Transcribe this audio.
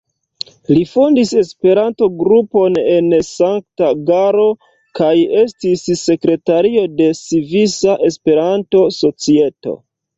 Li fondis Esperanto-grupon en Sankt-Galo kaj estis sekretario de Svisa Esperanto-Societo.